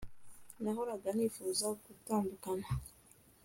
Nahoraga nifuza gutandukana